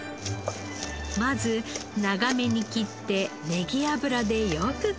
まず長めに切ってネギ油でよく絡めます。